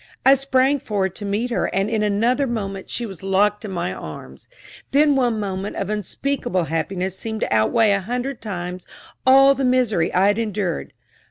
I sprang forward to meet her, and in another moment she was locked in my arms. That one moment of unspeakable happiness seemed to out weigh a hundred times all the misery I had endured.